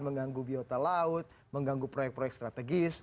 mengganggu biota laut mengganggu proyek proyek strategis